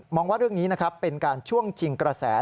มองว่าเรื่องนี้เป็นการช่วงจิงกระแส